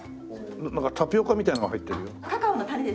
タピオカみたいなのが入ってるよ。